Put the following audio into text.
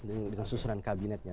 yes dengan susunan kabinetnya